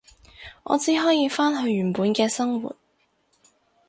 我只可以返去原本嘅生活